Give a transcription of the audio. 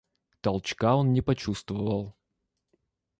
Толчка он не почувствовал.